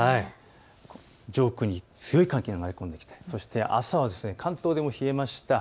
上空に強い寒気が流れ込んできて朝は関東でも冷えました。